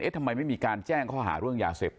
เอ๊ะทำไมไม่มีการแจ้งเค้าหาร่วงยาเสพติด